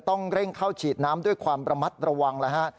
ต้องเร่งเข้าฉีดน้ำด้วยความระมัดระวังแล้วฮะ